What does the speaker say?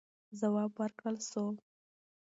ځواب ورکړل سو.